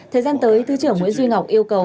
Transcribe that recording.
thời gian tới thứ trưởng nguyễn duy ngọc yêu cầu